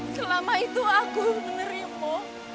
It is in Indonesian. selama itu aku menerima